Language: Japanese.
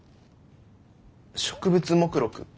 植物目録？